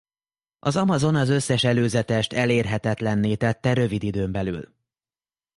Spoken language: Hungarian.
Az Amazon az összes előzetest elérhetetlenné tette rövid időn belül.